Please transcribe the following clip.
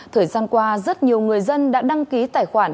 thời gian qua rất nhiều người dân đã đăng ký tài khoản